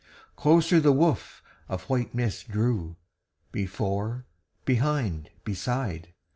Closer the woof of white mist drew, Before, behind, beside.